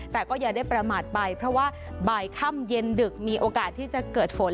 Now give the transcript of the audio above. แต่ก็อย่าได้ประมาทไปเพราะว่าบ่ายค่ำเย็นดึกมีโอกาสที่จะเกิดฝน